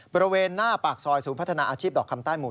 บริเวณหน้าปากซอยศูนย์พัฒนาอาชีพดอกคำใต้หมู่